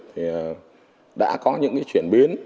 thì đã có những cái chuyển biến